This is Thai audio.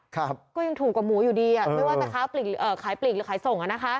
ก็ยังถูกกว่าหมูอยู่ดีอ่ะไม่ว่าจะค้าขายปลีกหรือขายส่งอ่ะนะคะ